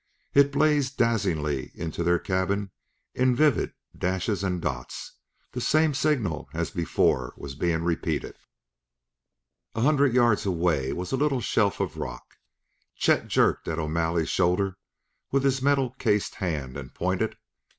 It blazed dazzlingly into their cabin in vivid dashes and dots the same signal as before was being repeated! A hundred yards away was a little shelf of rock. Chet jerked at O'Malley's shoulder with his metal cased hand and pointed.